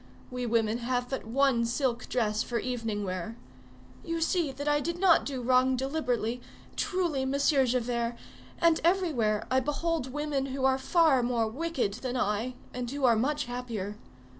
We women have but one silk dress for evening wear. You see that I did not do wrong deliberately—truly, Monsieur Javert; and everywhere I behold women who are far more wicked than I, and who are much happier.